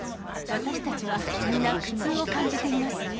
私たちは、皆苦痛を感じています。